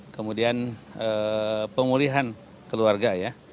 kemudian pemulihan keluarga ya